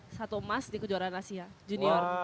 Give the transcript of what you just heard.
baru dapat satu emas di kejuaraan asia junior